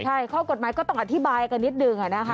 ใช่ข้อกฎหมายก็ต้องอธิบายกันนิดหนึ่งนะคะ